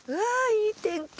いい天気